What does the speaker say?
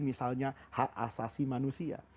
misalnya hak asasi manusia